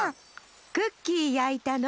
クッキーやいたの！